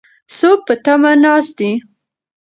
څوک په تمه ناست دي؟